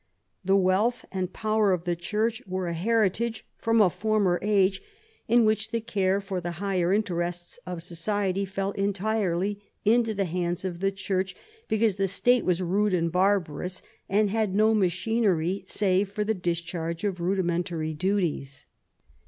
The wealth and power of the Church were a heritage from a former age. VIII WOLSEY'S DOMESTIC POLICY 139 in which the care for the higher interests of society fell entirely into the hands of the Church because the State was rude and barbarous, and had no machinery save for the discharge of rudimentary duties.